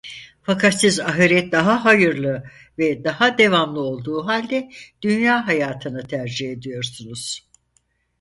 Fakat siz ahiret daha hayırlı ve daha devamlı olduğu halde dünya hayatını tercih ediyorsunuz.